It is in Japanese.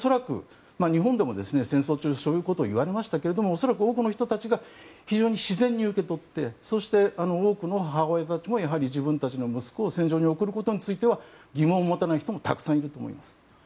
日本でも戦争中はそういうことを言われましたが恐らく多くの人たちが自然に受け取ってそして、多くの母親たちも自分たちの息子を戦場に送ることについては疑問を持たない人もたくさんいると思います。